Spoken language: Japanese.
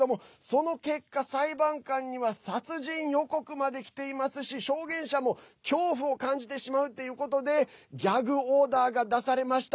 その結果、裁判官には殺人予告まできていますし証言者も恐怖を感じてしまうということでギャグオーダーが出されました。